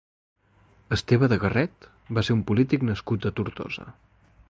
Esteve de Garret va ser un polític nascut a Tortosa.